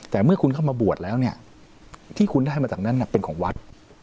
แต่เมื่อคุณเข้ามาบวชแล้วเนี่ยที่คุณได้มาจากนั้นเป็นของวัด